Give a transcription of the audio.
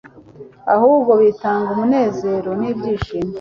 ahubwo bitanga umunezero n'ibyishimo